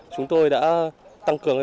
chúng tôi đã tăng cường